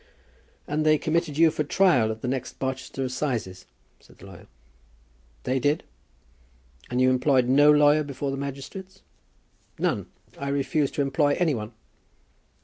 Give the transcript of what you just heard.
"And they committed you for trial at the next Barchester assizes?" said the lawyer. "They did." "And you employed no lawyer before the magistrates?" "None; I refused to employ any one."